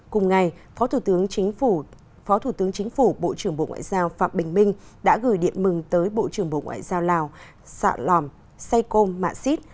cùng ngày phó thủ tướng chính phủ bộ trưởng bộ ngoại giao phạm bình minh đã gửi điện mừng tới bộ trưởng bộ ngoại giao lào sạ lòm say công mạ xít